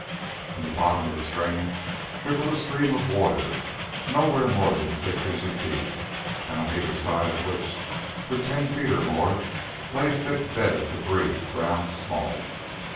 In the bottom of this drain trickled a stream of water nowhere more than six inches in depth, on either side of which, for ten feet or more, lay a thick bed of debris ground small.